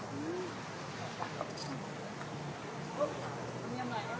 โปรดติดตามต่อไป